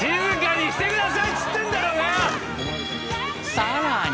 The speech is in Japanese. ［さらに］